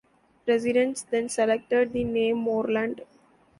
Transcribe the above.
Residents then selected the name Moreland.